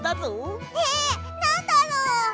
えなんだろう？